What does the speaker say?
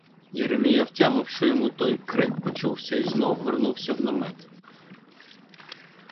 Єремія втямив, що йому той крик почувся й знов вернувся в намет.